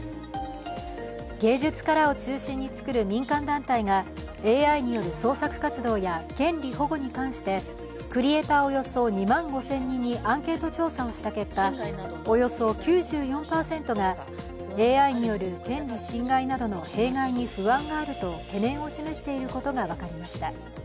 芸術家らを中心に作る民間団体がＡＩによる創作活動や権利保護に関してクリエーターおよそ２万５０００人にアンケート調査をした結果およそ９４％がＡＩによる権利侵害などの弊害に不安があると懸念を示していることが分かりました。